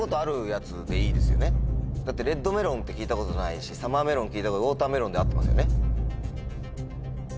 だって「レッドメロン」って聞いたことないし「サマーメロン」聞いたことない「ウオーターメロン」で合ってますよね？